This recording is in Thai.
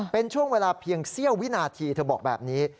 เป็นช่วงเวลาเพียงเสี้ยววินาทีเธอบอกแบบนี้